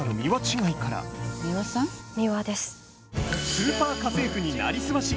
スーパー家政婦に成り済まし！